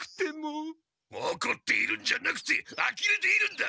おこっているんじゃなくてあきれているんだ！